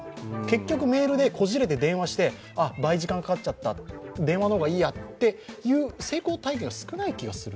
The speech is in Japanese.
結局、メールでこじれて電話して、倍時間かかっちゃった、電話の方がいいやという成功体験が少ない気がする。